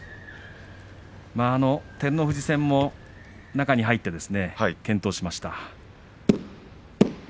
照ノ富士戦も中に入って健闘しました。